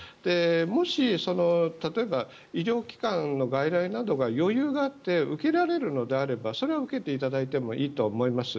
もし、例えば医療機関の外来などが余裕があって受けられるのであればそれは受けていただいてもいいとは思います。